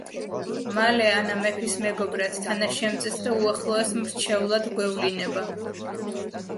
მალე ანა მეფის მეგობრად, თანაშემწედ და უახლოეს მრჩევლად გვევლინება.